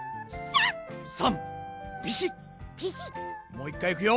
もう１かいいくよ。